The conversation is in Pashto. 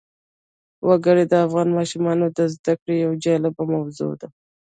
وګړي د افغان ماشومانو د زده کړې یوه جالبه موضوع ده.